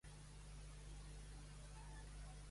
Per la seva samarreta negra rep el sobrenom dels corbs.